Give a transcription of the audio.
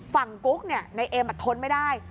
ฝั่งกุ๊กเนี่ยนายเอ็มอะทนไม่ได้